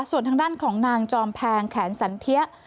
ส่วนทางด้านของนางจอมแพงแขนสันเทีย